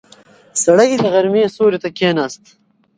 سړی د غرمې سیوري ته کیناست.